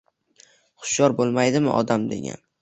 Hushyor boʻlmaydimi odam degan?”